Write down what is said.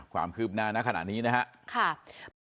ความคืบหน้าณขณะนี้นะครับ